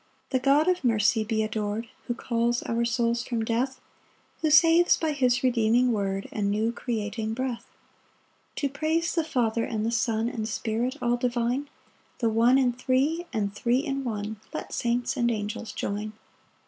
1 The God of mercy be ador'd, Who calls our souls from death, Who saves by his redeeming word, And new creating breath. 2 To praise the Father and the Son And Spirit all divine, The One in Three, and Three in One, Let saints and angels join.